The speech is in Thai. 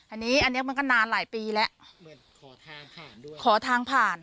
อันนี้อันเนี้ยมันก็นานหลายปีแล้วเหมือนขอทางผ่านด้วยขอทางผ่าน